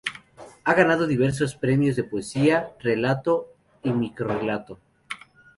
Ha ganado diversos premios de poesía, relato y microrrelato.